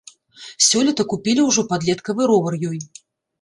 Сёлета купілі ўжо падлеткавы ровар ёй.